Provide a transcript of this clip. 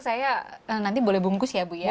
saya nanti boleh bungkus ya bu ya